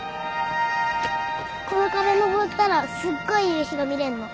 この壁登ったらすっごい夕日が見れんの。